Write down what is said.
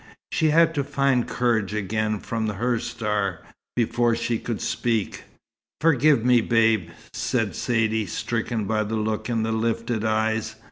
She had to find courage again from "her star," before she could speak. "Forgive me, Babe!" said Saidee, stricken by the look in the lifted eyes.